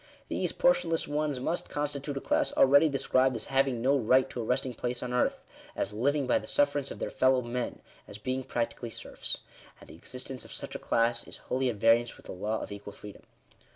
These portionless ones must constitute a class already described as having no right to a resting place on earth — as living by the sufferance of their fellow men — as being practically serfs. And the existence of such a class is wholly at variance with the law of equal freedom.